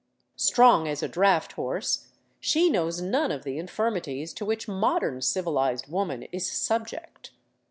Strong as a draft horse, she knows none of the infirmities to which modern civihzed woman is subject.